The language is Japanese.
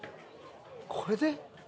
これで？